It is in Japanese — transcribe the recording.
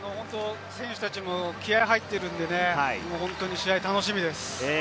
選手たちも気合入っているんでね、本当に試合が楽しみです。